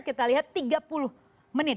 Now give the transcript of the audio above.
kita lihat tiga puluh menit